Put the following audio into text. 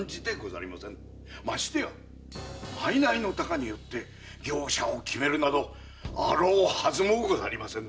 ましてや賂の多寡によって業者を決めるなどあろうはずもござりませぬ。